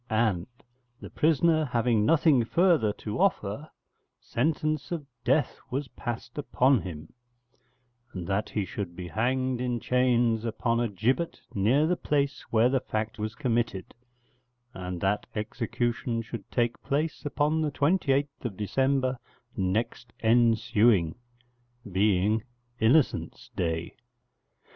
And, the prisoner having nothing further to offer, sentence of death was passed upon him, and that he should be hanged in chains upon a gibbet near the place where the fact was committed, and that execution should take place upon the 28th December next ensuing, being Innocents' Day.